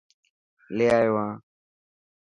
لي آيو هان.